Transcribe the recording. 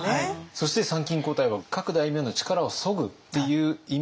そして参勤交代は各大名の力をそぐっていう意味合いもあったんですか？